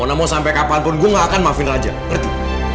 mau nama sampe kapan pun gue gak akan maafin raja ngerti